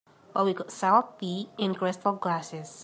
But we could sell tea in crystal glasses.